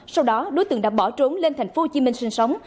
sau đó đối tượng đã bỏ trốn lên thành phố hồ chí minh sinh sống